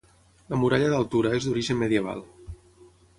La muralla d'Altura és d'origen medieval.